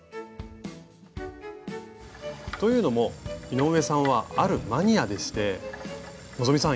というのも井上さんはあるマニアでして希さん